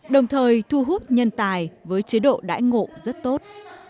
đồng thời thu hút nhân tài với chế độ đãi ngộ rất tốt